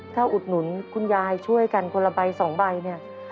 ถ้าอุดหนุนคุณยายช่วยกันคนละใบสองใบเนี่ย